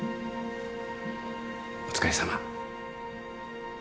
お疲れさま。